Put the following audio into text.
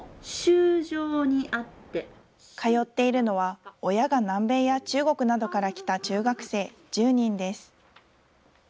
通っているのは、親が南米や中国などから来た中学生１０人です。